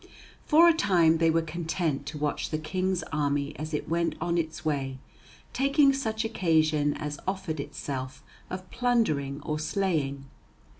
For a time they were content to watch the King's army as it went on its way, taking such occasion as offered itself of plundering or slaying.